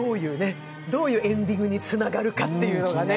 どういうエンディングにつながるかっていうね。